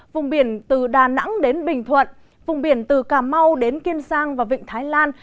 vùng biển từ đà nẵng đến bình thuận vùng biển từ cà mau đến kiên giang và vịnh thái lan